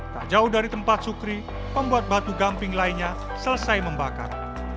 tak jauh dari tempat sukri pembuat batu gamping lainnya selesai membakar